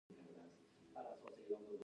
د دوړو د حساسیت لپاره باید څه وکاروم؟